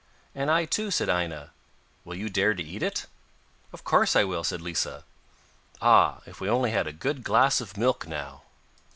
'And I, too,' said Aina. 'Will you dare to eat it?' 'Of course I will,' said Lisa. 'Ah, if we only had a good glass of milk now!